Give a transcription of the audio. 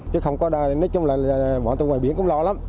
chứ không có đây nói chung là bọn tôi ngoài biển cũng lo lắm